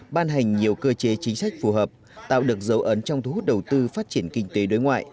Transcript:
ban hành nhiều cơ chế chính sách phù hợp tạo được dấu ấn trong thu hút đầu tư phát triển kinh tế đối ngoại